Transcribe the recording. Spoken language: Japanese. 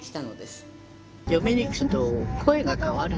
嫁に行くと声が変わる。